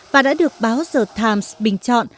và đã được báo the times bình chọn